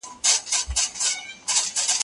د کتابتون څېړنه ډېر صبر غواړي.